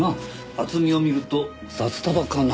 厚みを見ると札束かな？